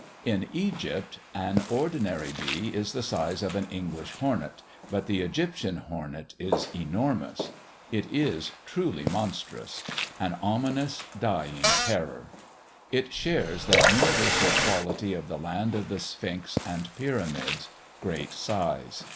In Egypt an ordinary bee is the size of an English hornet, but the Egyptian hornet is enormous. It is truly monstrous an ominous, dying terror. It shares that universal quality of the land of the Sphinx and Pyramids great size.